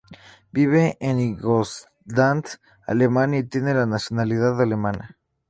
Vive en Ingolstadt, Alemania, y tiene la nacionalidad alemana.